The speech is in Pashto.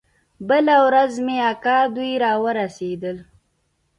بله ورځ مې اکا دوى راورسېدل.